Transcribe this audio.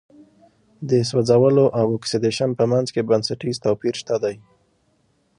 د سوځولو او اکسیدیشن په منځ کې بنسټیز توپیر شته دی.